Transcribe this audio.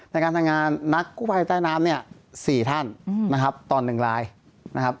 ในการทำงานนักกู้ภัยใต้น้ำเนี่ย๔ท่านนะครับต่อ๑รายนะครับ